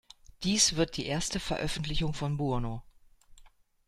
Dies wird die erste Veröffentlichung von Buono!